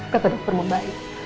kata dokter mau baik